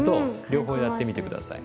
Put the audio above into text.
両方やってみて下さい。